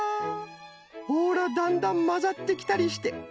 ほらだんだんまざってきたりして。